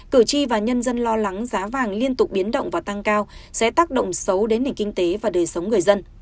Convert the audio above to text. cử tri và nhân dân lo lắng giá vàng liên tục biến động và tăng cao sẽ tác động xấu đến nền kinh tế và đời sống người dân